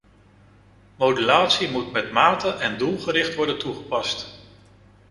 Modulatie moet met mate en doelgericht worden toegepast.